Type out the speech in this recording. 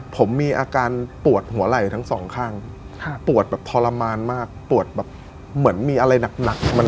ผมมีอาการปวดหัวไหล่ทั้งสองข้างปวดแบบทรมานมากปวดแบบเหมือนมีอะไรหนัก